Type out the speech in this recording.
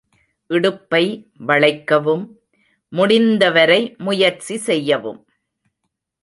இடுப்பை வளைக்கவும் முடிந்தவரை முயற்சி செய்யவும்.